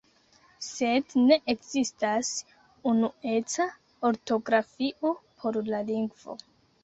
Sed ne ekzistas unueca ortografio por la lingvo.